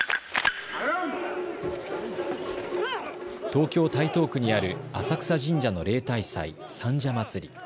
東京台東区にある浅草神社の例大祭、三社祭。